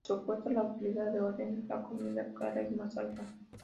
Por supuesto, la utilidad de ordenar la comida cara es más alta.